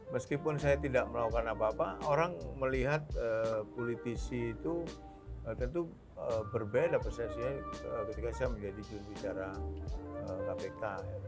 meskipun saya tidak melakukan apa apa orang melihat politisi itu tentu berbeda persepsinya ketika saya menjadi jurubicara kpk